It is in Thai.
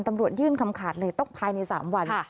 ตำรวจยื่นคำขาดเลยต้องภายใน๓วัน